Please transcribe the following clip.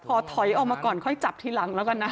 พอถอยออกมาก่อนค่อยจับทีหลังแล้วกันนะ